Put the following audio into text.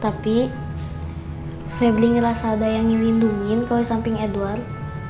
tapi febri ngerasa ada yang ngilindumin kalau di samping edward